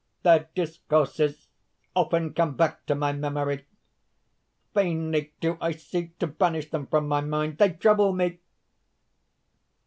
"Their discourses often come back to my memory. Vainly do I seek to banish them from my mind. They trouble me!